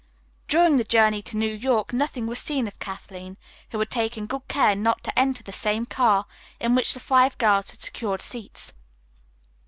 During the journey to New York nothing was seen of Kathleen, who had taken good care not to enter the same car in which the five girls had secured seats.